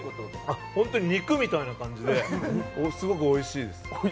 本当に肉みたいな感じでものすごくおいしいです。